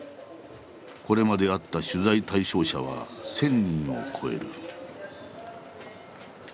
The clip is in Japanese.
これまで会った取材対象者は１，０００人を超える。